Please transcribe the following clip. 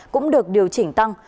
cũng được điều chỉnh tăng